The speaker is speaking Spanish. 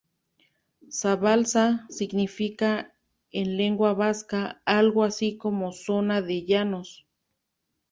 Zabalza significa en lengua vasca algo así como 'zona de llanos'.